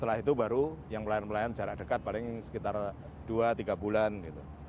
setelah itu baru yang pelayan pelayan jarak dekat paling sekitar dua tiga bulan gitu